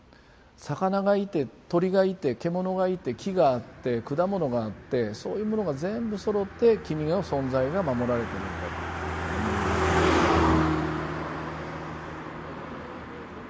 魚がいて鳥がいて獣がいて木があって果物があってそういうものが全部そろって君の存在が守られてるんだということですよね。